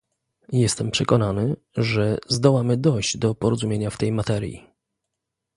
Jestem przekonany, że zdołamy dojść do porozumienia w tej materii